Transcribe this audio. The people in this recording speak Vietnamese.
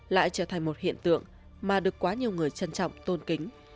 lại trở thành một hiện tượng mà được quá nhiều người trân trọng tôn kính